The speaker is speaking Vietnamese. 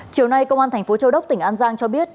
chiều nay công an tp châu đốc tỉnh an giang cho biết